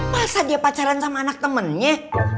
masa dia pacaran sama anak temennya